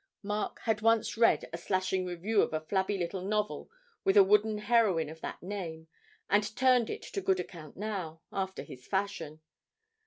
"' Mark had once read a slashing review of a flabby little novel with a wooden heroine of that name, and turned it to good account now, after his fashion.